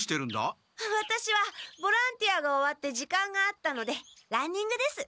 ワタシはボランティアが終わって時間があったのでランニングです。